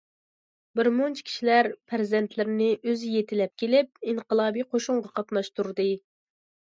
بىر مۇنچە كىشىلەر پەرزەنتلىرىنى ئۆزى يېتىلەپ كېلىپ، ئىنقىلابى قوشۇنغا قاتناشتۇردى.